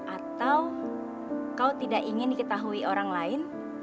atau kau tidak ingin diketahui orang lain